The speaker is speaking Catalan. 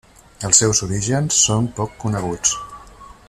Els seus orígens són poc coneguts.